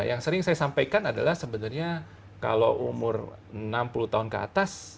yang sering saya sampaikan adalah sebenarnya kalau umur enam puluh tahun ke atas